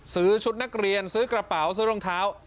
ซื้อชุดนักเรียนซื้อกระเป๋าซื้อรองเท้า